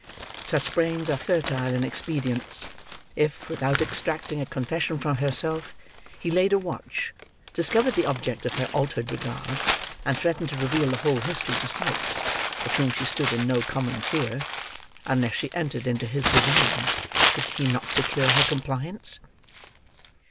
Such brains are fertile in expedients. If, without extracting a confession from herself, he laid a watch, discovered the object of her altered regard, and threatened to reveal the whole history to Sikes (of whom she stood in no common fear) unless she entered into his designs, could he not secure her compliance?